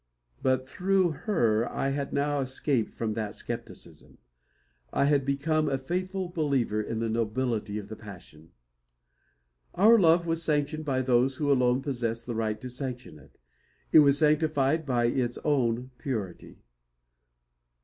But through her I had now escaped from that scepticism. I had become a faithful believer in the nobility of the passion. Our love was sanctioned by those who alone possessed the right to sanction it. It was sanctified by its own purity.